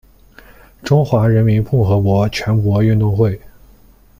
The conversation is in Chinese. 中华人民共和国全国运动会。